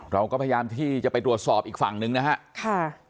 เราก็พยายามที่จะไปตรวจสอบอีกฝั่งหนึ่งนะครับ